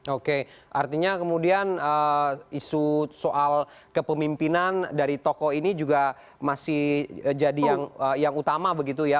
oke artinya kemudian isu soal kepemimpinan dari tokoh ini juga masih jadi yang utama begitu ya